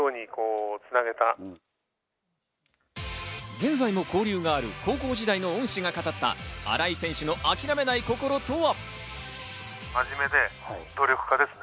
現在も交流がある高校時代の恩師が語った新井選手の諦めない心とは。